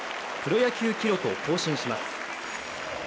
プロ野球記録を更新します。